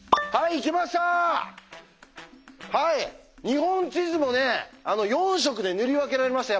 日本地図もね４色で塗り分けられました